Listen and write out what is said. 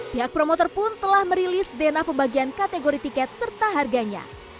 pihak promoter pun telah merilis dna pembagian kategori tiket serta harganya